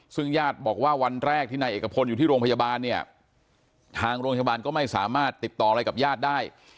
ซึ่งญาติบอกว่าวันแรกที่นายเอกพลอยู่ที่โรงพยาบาลเนี่ยทางโรงพยาบาลก็ไม่สามารถติดต่ออะไรกับญาติได้